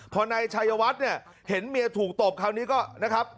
พอนายชัยวัดเนี่ยเห็นเมียถูกตบคราวนี้ก็นะครับ